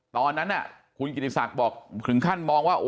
ตอนนั้นคุณกิติศักดิ์บอกถึงขั้นมองว่า